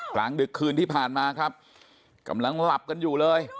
กลางดึกคืนที่ผ่านมาครับกำลังหลับกันอยู่เลย